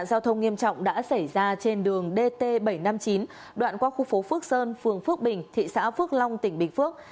giao thông nghiêm trọng đã xảy ra trên đường dt bảy trăm năm mươi chín đoạn qua khu phố phước sơn phường phước bình thị xã phước long tỉnh bình phước